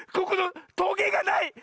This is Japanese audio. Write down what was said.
ここのトゲがない！